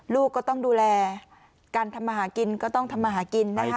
ลูกก็ต้องดูแลการทำมาหากินก็ต้องทำมาหากินนะคะ